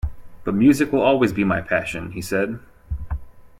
But music will always be my passion, he said.